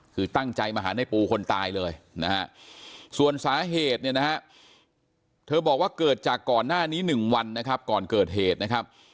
คือตั้งใจมาหาในปูคนตายเลยนะฮะส่วนสาเหตุเนี่ยนะฮะเธอบอกว่าเกิดจากก่อนหน้านี้๑วันนะครับ